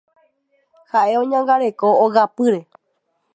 Ha'e oñangareko ogapýre.